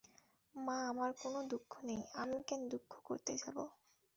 মা, আমার কোনো দুঃখ নেই– আমি কেন দুঃখ করতে যাব?